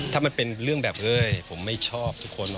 ถ้ามันเป็นเรื่องแบบเฮ้ยผมไม่ชอบทุกคน